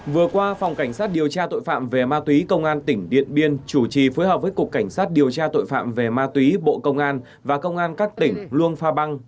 vừa qua phòng cảnh sát điều tra tội phạm về ma túy công an tỉnh điện biên chủ trì phối hợp với cục cảnh sát điều tra tội phạm về ma túy bộ công an và công an các tỉnh luông pha băng